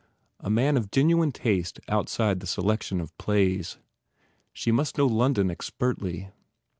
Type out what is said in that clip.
A man of genuine taste outside the selection of plays. She must know London expertly.